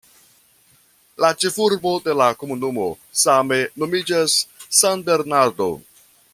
La ĉefurbo de la komunumo same nomiĝas "San Bernardo".